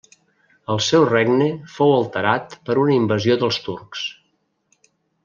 El seu regne fou alterat per una invasió dels turcs.